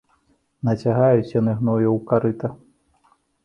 Нацягаюць яны гною ў карыта.